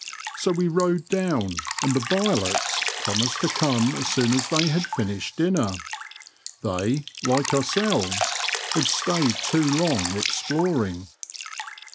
99 So we rowed down, and the Violets" promised to come AS soon as they had finished dinner. They, like ourselves* Iiad stayed too long exploring.